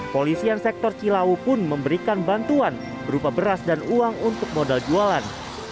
polisian sektor cilawu pun memberikan bantuan berupa beras dan uang untuk modal jualan